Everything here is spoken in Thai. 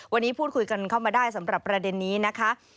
วันนี้พูดคุยกันเข้ามาได้สำหรับประเด็นนี้นะคะ